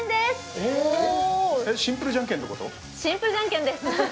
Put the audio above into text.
えっシンプルじゃんけんです